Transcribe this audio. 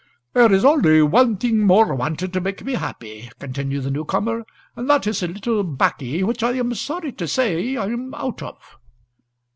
"There is only one thing more wanted to make me happy," continued the new comer; "and that is a little 'baccy, which I am sorry to say I am out of."